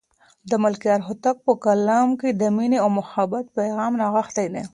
د ملکیار هوتک په کلام کې د مینې او محبت پیغام نغښتی دی.